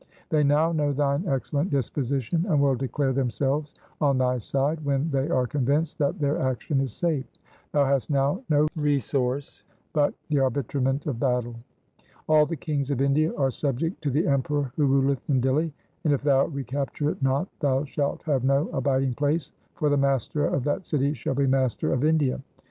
They now know thine excellent disposition, and will declare themselves on thy side when they are convinced that their action is safe. Thou hast now no resource but the arbitrament of battle. All the kings of India are subject to the emperor who ruleth in Dihli, and if thou recapture it not, thou shalt have no abiding place, for the master of that city shall be master of India.